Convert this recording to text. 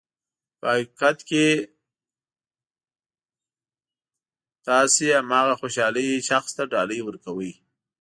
په حقیقت کې تاسو هماغه شخص ته ډالۍ ورکوئ.